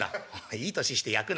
「いい年してやくな」。